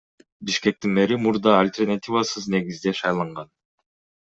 Бишкектин мэри мурда альтернативасыз негизде шайланган.